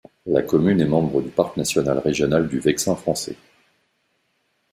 La commune est membre du parc naturel régional du Vexin français.